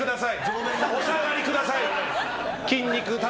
お下がりください！